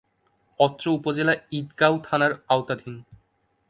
অত্র উপজেলা ঈদগাঁও থানার আওতাধীন।